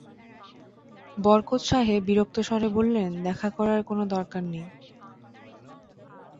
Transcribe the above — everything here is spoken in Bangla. বরকত সাহেব বিরক্ত স্বরে বললেন, দেখা করার কোনো দরকার নেই।